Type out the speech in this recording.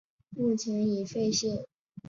目前已废线。